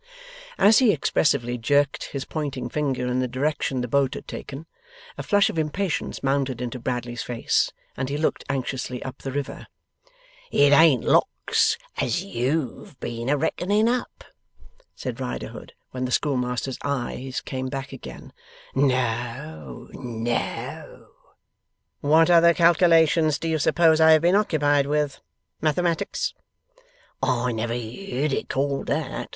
As he expressively jerked his pointing finger in the direction the boat had taken, a flush of impatience mounted into Bradley's face, and he looked anxiously up the river. 'It ain't Locks as YOU'VE been a reckoning up,' said Riderhood, when the schoolmaster's eyes came back again. 'No, no!' 'What other calculations do you suppose I have been occupied with? Mathematics?' 'I never heerd it called that.